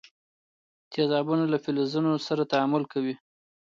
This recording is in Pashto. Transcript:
تیزابونه له فلزونو سره تعامل کوي.